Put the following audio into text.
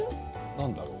何だろう。